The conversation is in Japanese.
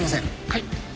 はい。